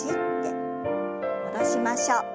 戻しましょう。